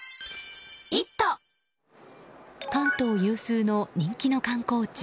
関東有数の人気の観光地